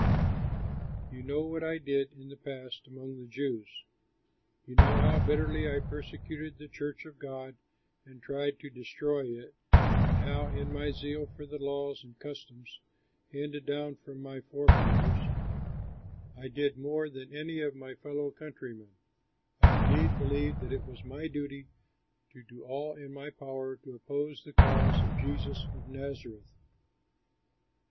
You know what I did in the past among the Jews. You know how bitterly I persecuted the church of God and tried to destroy it and how in my zeal for the laws and customs handed down from my forefathers I did more than any of my fellow countrymen. I indeed believed that it was my duty to do all in my power to oppose the cause of Jesus of Nazareth.